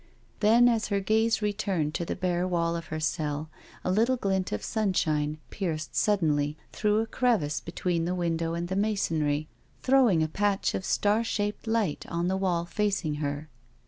Then as her gaze re turned to the bare wall of her cell, a little glint of sunshine pierced suddenly through a crevice between the window and the masonry, throwing a patch of star shaped light on the wall facing her.